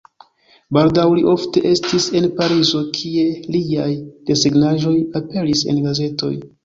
Baldaŭ li ofte estis en Parizo, kie liaj desegnaĵoj aperis en gazetoj.